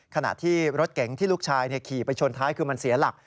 ขณะที่รถเก๋งที่ลูกชายขี่ไปชนท้ายคือมันเสียหลัก